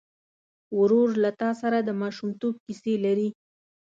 ورور له تا سره د ماشومتوب کیسې لري.